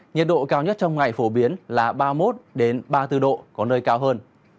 nhiệt độ cao nhất trong ngày phổ biến là ba mươi một ba mươi bốn độ có nơi cao hơn